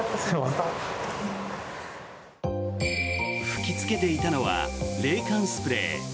吹きつけていたのは冷感スプレー。